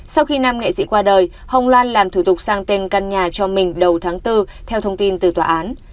sau khi nam nghệ sĩ qua đời hồng loan làm thủ tục sang tên căn nhà cho mình đầu tháng bốn theo thông tin từ tòa án